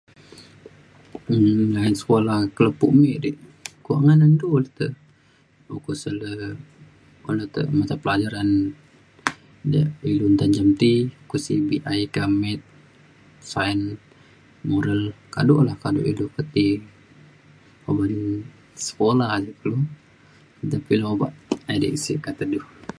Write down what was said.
inu ne uyan sekula ke lepo me di. kuak ngan du le te. ukok sek le ukok le te matapelajaran de ilu nta menjam ti ukok si BI ka Maths Sain Moral kado la kado ilu pe ti uban sekula le kulu nta pa ilu obak edei sik kata du.